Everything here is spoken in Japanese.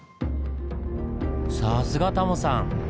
さすがタモさん！